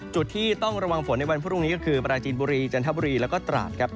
จุดที่ต้องระวังฝนในวันพรุ่งนี้ก็คือปราจีนบุรีจันทบุรีแล้วก็ตราดครับ